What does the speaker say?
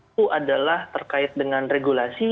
itu adalah terkait dengan regulasi